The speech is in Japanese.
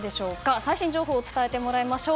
最新情報を伝えてもらいましょう。